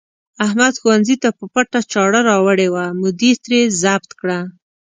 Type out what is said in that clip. احمد ښوونځي ته په پټه چاړه راوړې وه، مدیر ترې ضبط کړه.